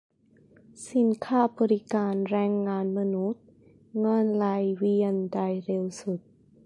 สินค้า บริการ แรงงานมนุษย์ เงินไหลเวียนได้เร็วสุด